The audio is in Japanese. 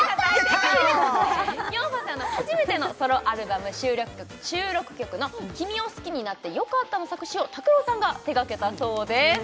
ヨンファさんの初めてのソロアルバム収録曲の「君を好きになってよかった」の作詞をＴＡＫＵＲＯさんが手がけたそうです